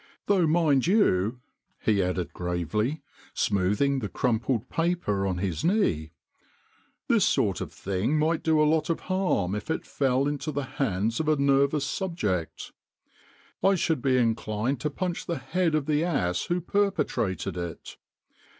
" Though, mind you," he added gravely, smoothing the crumpled paper on his knee, " this sort of thing might do a lot of harm if it fell into the hands of a nervous subject. I should be inclined to punch the head of the ass who perpetrated it.